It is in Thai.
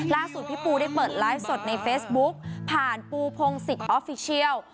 พี่ปูได้เปิดไลฟ์สดในเฟซบุ๊กผ่านปูพงศิษย์ออฟฟิเชียล